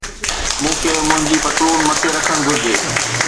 مون کي منهنجي پتلون مٿي رکڻ گهرجي